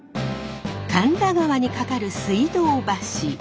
神田川にかかる水道橋。